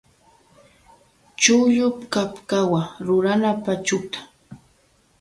Chukllu kapkawa rurana pachukta.